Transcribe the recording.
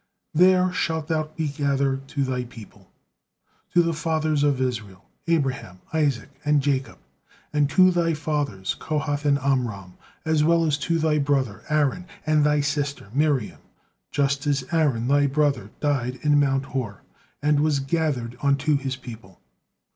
There shalt thou be gather to thy people, to the fathers of Israel, Abraham, Isaac, and Jacob, and to thy fathers, Kohath and Amram, as well as to thy brother Aaron and thy sister Miriam, just as Aaron thy brother died in mount Hor, and was gathered unto his people."